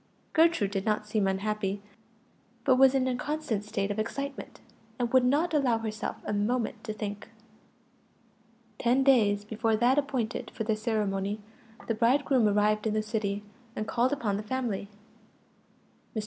Gertrude did not seem unhappy, but was in a constant state of excitement, and would not allow herself a moment to think. Ten days before that appointed for the ceremony, the bridegroom arrived in the city, and called upon the family. Mr.